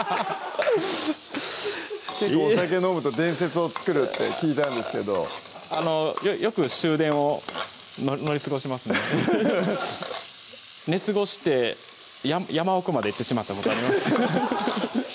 結構お酒飲むと伝説を作るって聞いたんですけどあのよく終電を乗り過ごしますね寝過ごして山奥まで行ってしまったことあります